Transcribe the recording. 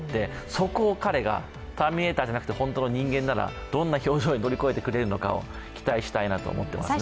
そこを彼が、ターミネーターじゃなくて本当の人間ならどんな表情に塗り替えてくれるのか期待したいなと思いますけどね。